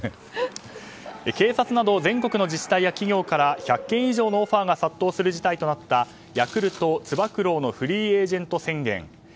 警察など全国の自治体や企業から１００件以上のオファーが殺到する事態となったヤクルト、つば九郎のフリーエージェント宣言。